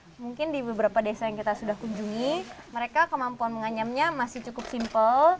nah mungkin di beberapa desa yang kita sudah kunjungi mereka kemampuan menganyamnya masih cukup simple